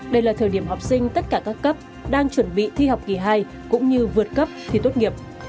đây là thời điểm học sinh tất cả các cấp đang chuẩn bị thi học kỳ hai cũng như vượt cấp thi tốt nghiệp